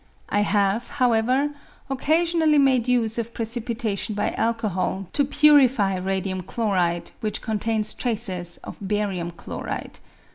I have, however, occasionally made use of precipitation by alcohol to purify radium chloride which contains traces of barium chloride.